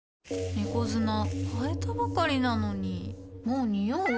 猫砂替えたばかりなのにもうニオう？